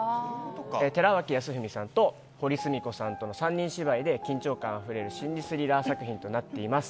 寺脇康文さんとほりすみこさんとの３人芝居で緊張感あふれる心理推理ホラーとなっています。